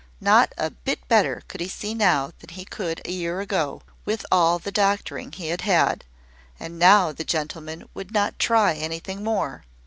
Not a bit better could he see now than he could a year ago, with all the doctoring he had had: and now the gentleman would not try anything more!